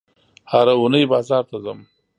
هره اونۍ بازار ته ځم